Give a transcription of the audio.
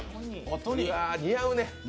似合うね。